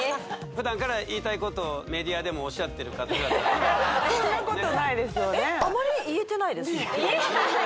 普段から言いたいことをメディアでもおっしゃってる方々だからそんなことないですよね